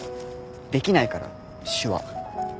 できないから手話。